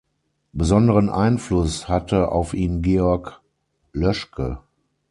Besonderen Einfluss hatte auf ihn Georg Loeschcke.